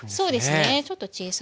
ちょっと小さめにはい。